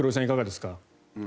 いかがですか？